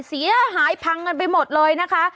เสียหายพังกันไปหมดเลยนะคะ